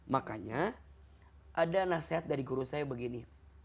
makanya ada nasihat dari guru saya begini